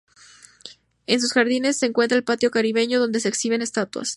En sus jardines se encuentra el Patio Caribeño, donde se exhiben estatuas.